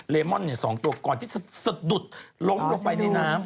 มอน๒ตัวก่อนที่จะสะดุดล้มลงไปในน้ำ